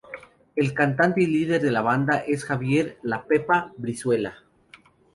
El cantante y líder de la banda es Javier "la Pepa" Brizuela.